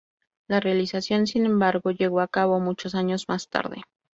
La realización, sin embargo, llegó a cabo muchos años más tarde.